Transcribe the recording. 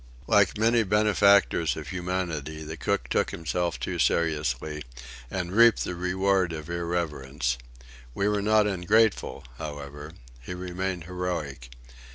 Like many benefactors of humanity, the cook took himself too seriously, and reaped the reward of irreverence. We were not un ungrateful, however. He remained heroic.